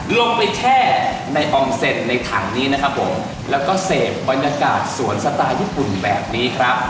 ลงไปแช่ในอองเซ็นในถังนี้นะครับผมแล้วก็เสพบรรยากาศสวนสไตล์ญี่ปุ่นแบบนี้ครับ